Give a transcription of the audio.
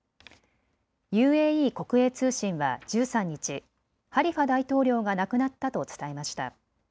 ＵＡＥ国営通信は１３日、ハリファ大統領が亡くなったと伝えました。